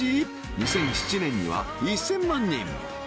２００７年には１０００万人